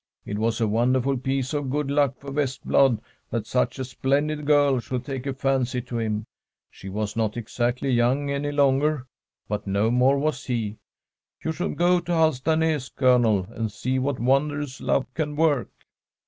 It was a wonderful piece of good luck for Vestblad that such a splen did girl should take a fancy to him. She was not exactly young any longer ; but no more was he. You should go to Halstanas, Colonel, and see what wonders love can work.'